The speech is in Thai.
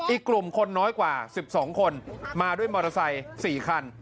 อีกกลุ่มคนน้อยกว่า๑๒คนมาด้วยมอเตอร์ไซค์๔คัน